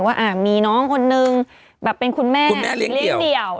ว่ามีน้องคนนึงแบบเป็นคุณแม่เลี้ยงเดี่ยว